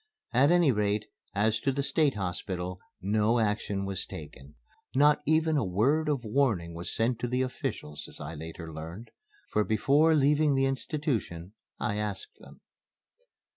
At any rate, as to the State Hospital, no action was taken. Not even a word of warning was sent to the officials, as I later learned; for before leaving the institution I asked them.